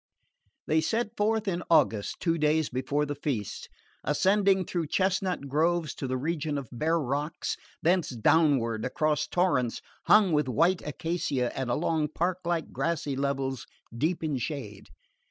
They set forth in August, two days before the feast, ascending through chestnut groves to the region of bare rocks; thence downward across torrents hung with white acacia and along park like grassy levels deep in shade.